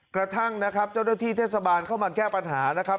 กระทั่งนะครับเจ้าหน้าที่เทศบาลเข้ามาแก้ปัญหานะครับ